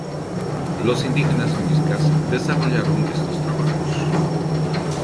Los indígenas muiscas desarrollaron estos trabajos.